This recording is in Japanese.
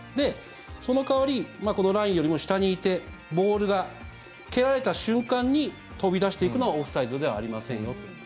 その代わりこのラインよりも下にいてボールが蹴られた瞬間に飛び出していくのはオフサイドではありませんよ。